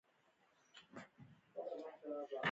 هغه خپل سیوري لرونکي لاسونه د هغه په اوږه کیښودل